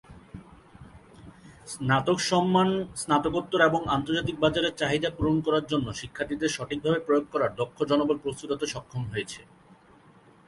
স্নাতক সম্মান, স্নাতকোত্তর এবং আন্তর্জাতিক বাজারের চাহিদার পূরণ করার জন্য শিক্ষার্থীদের সঠিকভাবে প্রয়োগ করার দক্ষ জনবল প্রস্তুত হতে সক্ষম হয়েছে।